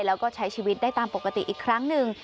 แล้วก็ใช้ชีวิตได้ตามปกติอีกครั้งหนึ่ง